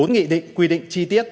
bốn nghị định quy định chi tiết